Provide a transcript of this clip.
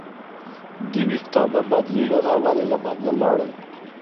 د ویښتابه بدلیلونه ولې له منځه لاړل؟